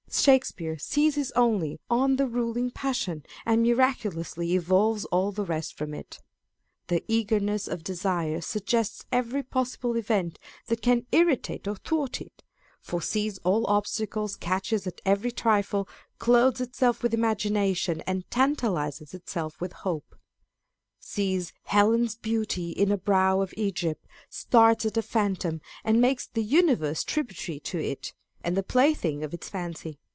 Shakespeare seizes only on the ruling passion, and miraculously evolves all the rest from it. The eagerness of desire suggests every possible event that can irritate or thwart it, foresees all obstacles, catches at every trifle, clothes itself with imagination, and tantalises itself with hope ;" sees Helen's beauty in a brow of Egypt," starts at a phantom, and makes the universe tributary to it, and the plaything of its fancy.